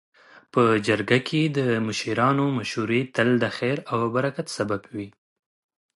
. په جرګه کي د مشرانو مشورې تل د خیر او برکت سبب وي.